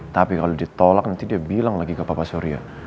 tapi kalau ditolak nanti dia bilang lagi ke bapak surya